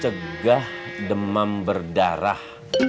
cegah demam berdarah